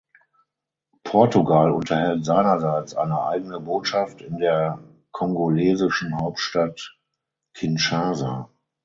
Portugal unterhält seinerseits eine eigene Botschaft in der kongolesischen Hauptstadt Kinshasa.